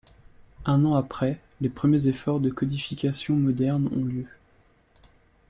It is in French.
Un an après, les premiers efforts de codification moderne ont lieu.